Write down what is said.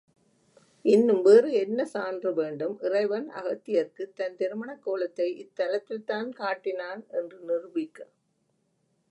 இன்னும் வேறு என்ன சான்று வேண்டும், இறைவன் அகத்தியர்க்குத் தன் திருமணக்கோலத்தை இத்தலத்தில்தான் காட்டினான் என்று நிரூபிக்க?